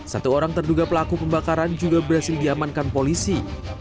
satu orang terduga pelaku pembakaran juga berhasil diamankan polisi